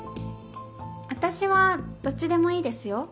私はどっちでもいいですよ。